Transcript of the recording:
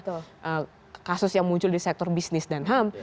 kasus yang muncul di sektor bisnis dan ham